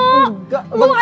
nggak bener bener lelah